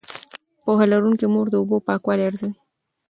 پوهه لرونکې مور د اوبو پاکوالی ارزوي.